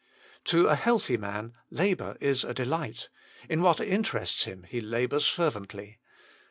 To a healthy man labour is a delight ; in what interests him he labours fervently.